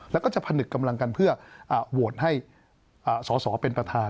แล้วก็จะผนึกกำลังกันเพื่อโหวตให้สอสอเป็นประธาน